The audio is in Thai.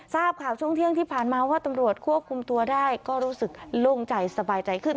ทราบข่าวช่วงเที่ยงที่ผ่านมาว่าตำรวจควบคุมตัวได้ก็รู้สึกโล่งใจสบายใจขึ้น